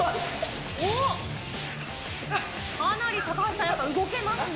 おっ、かなり高橋さん、動けますね。